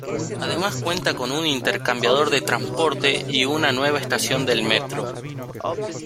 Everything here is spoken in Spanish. Además cuenta con un intercambiador de transporte y una nueva estación del metro.